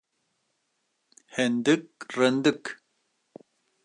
Hindik rindik.